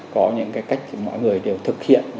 có những cái cách mọi người đều thực hiện